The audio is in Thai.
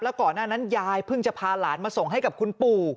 ก่อนหน้านั้นยายเพิ่งจะพาหลานมาส่งให้กับคุณปู่